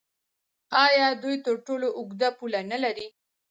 آیا دوی تر ټولو اوږده پوله نلري؟